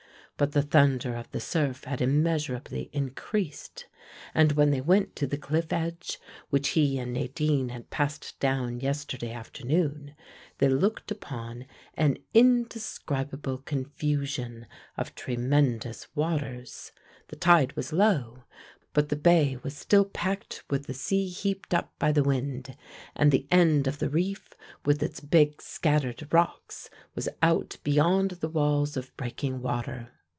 But the thunder of the surf had immeasurably increased, and when they went to the cliff edge which he and Nadine had passed down yesterday afternoon, they looked upon an indescribable confusion of tremendous waters. The tide was low, but the bay was still packed with the sea heaped up by the wind, and the end of the reef with its big scattered rocks was out beyond the walls of breaking water.